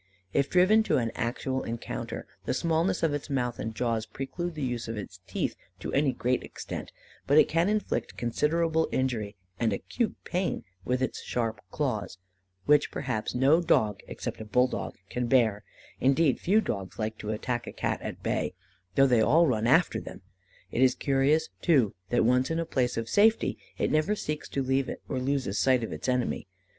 If driven to an actual encounter, the smallness of its mouth and jaws preclude the use of its teeth to any great extent, but it can inflict considerable injury and acute pain with its sharp claws, which, perhaps, no dog, except a bulldog, can bear; indeed, few dogs like to attack a Cat at bay, though they all run after them. It is curious, too, that once in a place of safety, it never seeks to leave it, or loses sight of its enemy.